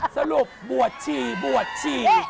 สรุปบวชฉี่บวชฉี่